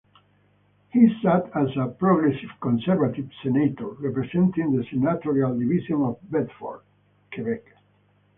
He sat as a Progressive Conservative senator representing the Senatorial division of Bedford, Quebec.